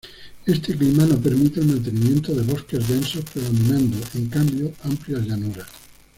Este clima no permite el mantenimiento de bosques densos predominando en cambio amplias llanuras.